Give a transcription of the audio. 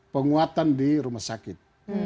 penguatan di rumah sakit